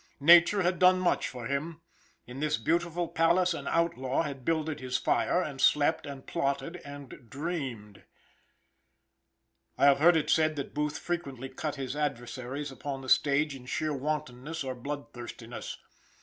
Nature had done much for him. In this beautiful palace an outlaw had builded his fire, and slept, and plotted, and dreamed. I have heard it said that Booth frequently cut his adversaries upon the stage in sheer wantonness or bloodthirstiness.